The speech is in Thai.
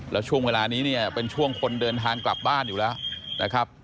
แล้วช่วงเวลานี้เนี่ยเป็นช่วงคนเดินทางกลับบ้านอยู่แล้วนะครับ